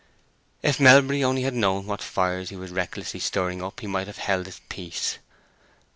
If Melbury only had known what fires he was recklessly stirring up he might have held his peace.